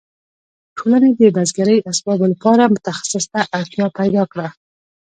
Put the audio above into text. ټولنې د بزګرۍ اسبابو لپاره متخصص ته اړتیا پیدا کړه.